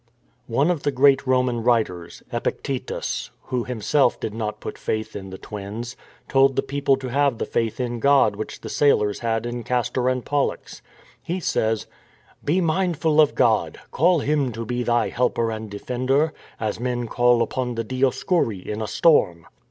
One of the great Roman writers, Epictetus, who himself did not put faith in the twins, told the people to have the faith in God which the sailors had in Castor and Pollux. He says : 338 FINISHING THE COURSE " Be mindful of God, call Him to be thy helper and defender, as men call upon the Dioscuri in a storm."